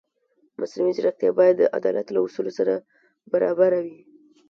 مصنوعي ځیرکتیا باید د عدالت له اصولو سره برابره وي.